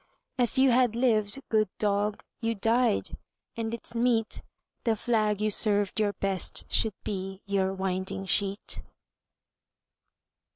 As you had lived, good dog, you died, And it is meet The flag you served your best should be Your winding sheet.